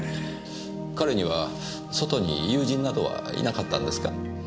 彼には外に友人などはいなかったんですか？